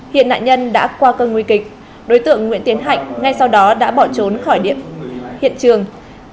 hiện nạn nhân đã qua cơn nguy kịch đối tượng nguyễn tiến hạnh ngay sau đó đã bỏ trốn khỏi hiện trường